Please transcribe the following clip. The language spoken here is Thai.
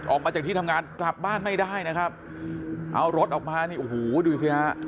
ออกมาจากที่ทำงานกลับบ้านไม่ได้นะครับเอารถออกมานี่โอ้โหดูสิฮะ